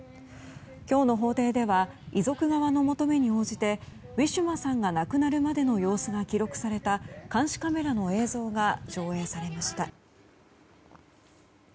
今日の法廷では遺族側の求めに応じてウィシュマさんが亡くなるまでの様子が記録された監視カメラの映像が上映されました。